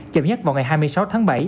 chậm nhất vào ngày hai mươi sáu tháng bảy